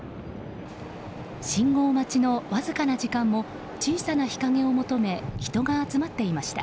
信号待ちのわずかな時間も小さな日影を求め人が集まっていました。